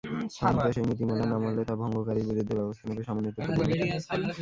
সমন্বিত সেই নীতিমালা না মানলে তা ভঙ্গকারীর বিরুদ্ধে ব্যবস্থা নেবে সমন্বিত কমিটি।